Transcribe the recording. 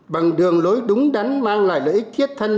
bằng đường lối đúng đắn mang lại lợi ích thiết thân